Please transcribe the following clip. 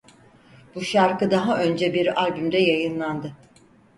Bu şarkı daha önce bir albümde yayınlandı.